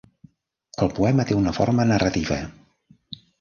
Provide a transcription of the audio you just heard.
El poema té una forma narrativa.